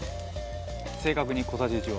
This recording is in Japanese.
正確に、小さじ１を。